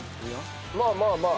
まあまあまあ。